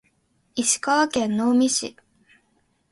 石川県能美市